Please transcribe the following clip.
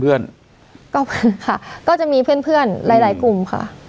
ก็เพื่อนค่ะก็จะมีเพื่อนหลายกลุ่มค่ะ